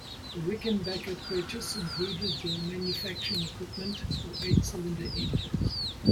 The Rickenbacker purchase included their manufacturing equipment for eight-cylinder engines.